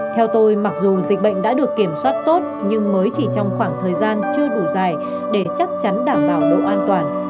theo tôi mặc dù dịch bệnh đã được kiểm soát tốt nhưng mới chỉ trong khoảng thời gian chưa đủ dài để chắc chắn đảm bảo độ an toàn